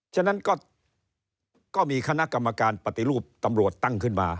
ฉะนั้นก็มีคณะกรรมการปฏิรูปตำรวจตั้งขึ้นมา